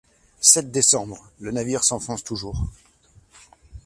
sept décembre. — Le navire s’enfonce toujours.